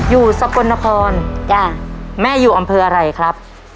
สกลนครจ้ะแม่อยู่อำเภออะไรครับ